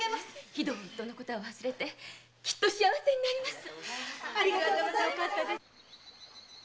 ひどい夫のことは忘れてきっと幸せになります！